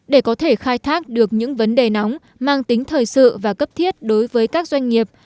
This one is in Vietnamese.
để có thể khai thác được những vấn đề nóng mang tính thời sự và cấp thiết đối với các doanh nghiệp